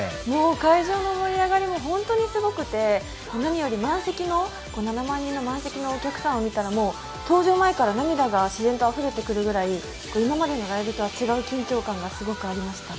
会場の盛り上がりも本当にすごくて何より７万人の満席のお客さんを見たらもう登場前から涙が自然とあふれてくるぐらい今までのライブとは違う緊張感がすごくありました。